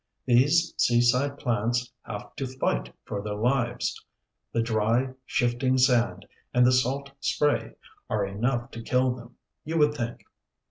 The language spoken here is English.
These seaside plants have to fight for their lives. The dry, shifting sand, and the salt spray, are enough to kill them, you would think.